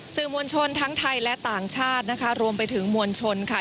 สื่อมวลชนทั้งไทยและต่างชาตินะคะรวมไปถึงมวลชนค่ะ